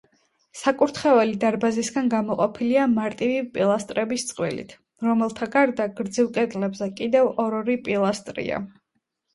საკურთხეველი დარბაზისგან გამოყოფილია მარტივი პილასტრების წყვილით, რომელთა გარდა, გრძივ კედლებზე, კიდევ ორ-ორი პილასტრია.